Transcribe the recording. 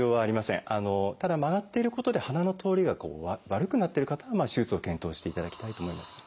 ただ曲がっていることで鼻の通りが悪くなっている方は手術を検討していただきたいと思います。